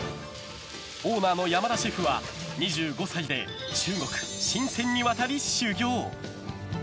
オーナーの山田シェフは２５歳で中国シンセンに渡り修業。